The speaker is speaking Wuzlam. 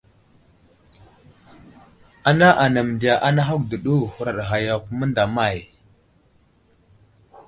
Ana anaŋ məndiya anahakw dəɗu, huraɗ ghay yakw mənday əmay !